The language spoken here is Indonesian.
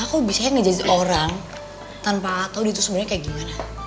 aku biasanya ngejadge orang tanpa tau dia tuh sebenarnya kayak gimana